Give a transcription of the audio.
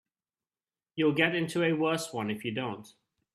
You'll get into a worse one if you don't.